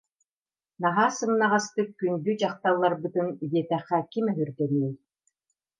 Наһаа сымнаҕастык "күндү дьахталларбытын" диэтэххэ ким өһүргэниэй?